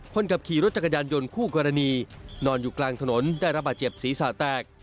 คนขับขี่รถจักรยานยนต์คู่กรณีนอนอยู่กลางถนนได้รับบาดเจ็บศีรษะแตก